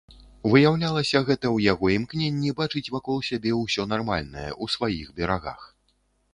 Выяўлялася гэта ў яго ў імкненні бачыць вакол сябе ўсё нармальнае, у сваіх берагах.